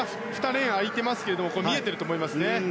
２レーン開いていますが見えていると思います。